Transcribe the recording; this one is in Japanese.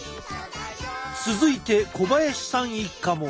続いて小林さん一家も。